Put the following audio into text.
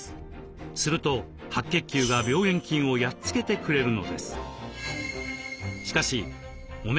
すると白血球が病原菌をやっつけてくれるのです。